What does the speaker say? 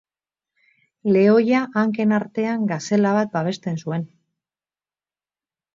Lehoia hanken artean gazela bat babesten zuen.